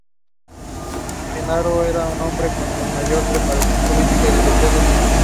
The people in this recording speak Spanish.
Genaro era un hombre con una mayor preparación política e ideológica que Lucio.